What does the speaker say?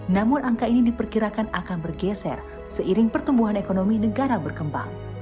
namun angka ini diperkirakan akan bergeser seiring pertumbuhan ekonomi negara berkembang